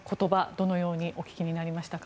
どのようにお聞きになりましたか。